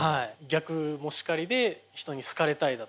逆もしかりで人に好かれたいだとか。